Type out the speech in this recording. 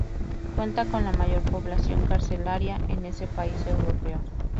Cuenta con la mayor población carcelaria en ese país europeo.